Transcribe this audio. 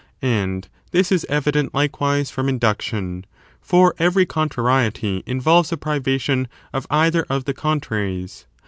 And this is evident, likewise, from induction ; going view con for every contrariety involves a privation of taSirtion!"' either of the contraries.